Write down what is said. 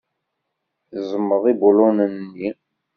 Tezmeḍ ibulunen-nni.